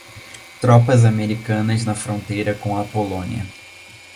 Tropas americanas na fronteira com a Polônia